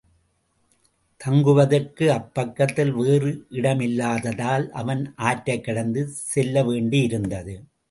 தங்குவதற்கு அப்பக்கத்தில் வேறு இடமில்லாததால், அவன் ஆற்றைக்கடந்து செல்லவேண்டியிருந்தது.